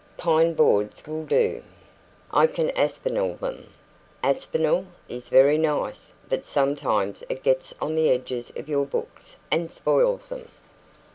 Pine boards will do. I can Aspinall them." "Aspinall is very nice, but sometimes it gets on the edges of your books and spoils them."